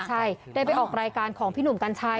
ใช่ได้ไปออกรายการของพี่หนุ่มกัญชัย